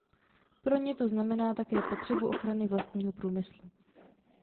Pro ně to znamená také potřebu ochrany vlastního průmyslu.